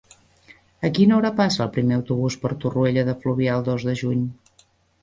A quina hora passa el primer autobús per Torroella de Fluvià el dos de juny?